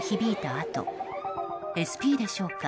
あとＳＰでしょうか